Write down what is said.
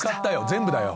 全部だよ！